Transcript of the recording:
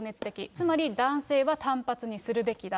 つまり男性は短髪にするべきだ。